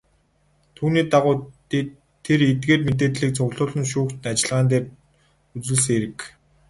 Түүний дагуу тэр эдгээр мэдээллийг цуглуулан шүүх ажиллагаан дээр үзүүлсэн хэрэг.